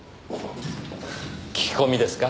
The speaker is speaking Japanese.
聞き込みですか？